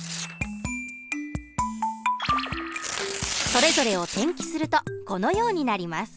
それぞれを転記するとこのようになります。